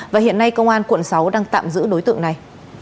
và hiện nay công an quận sáu đang tạm giữ đối tượng này